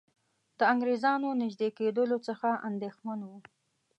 د انګریزانو نیژدې کېدلو څخه اندېښمن وو.